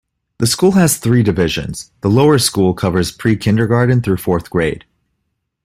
The school has three divisions: The lower school covers pre-kindergarten through fourth grade.